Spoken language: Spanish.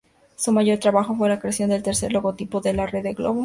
Su mayor trabajo fue la creación del tercer logotipo de la Rede Globo.